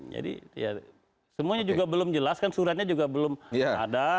jadi semuanya juga belum jelas kan suratnya juga belum ada